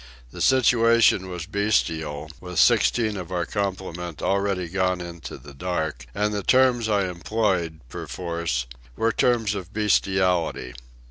The situation was bestial, with sixteen of our complement already gone into the dark; and the terms I employed, perforce, were terms of bestiality.